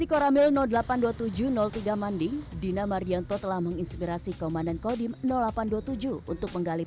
koramil delapan ratus dua puluh tujuh tiga manding dina mardianto telah menginspirasi komandan kodim delapan ratus dua puluh tujuh untuk menggali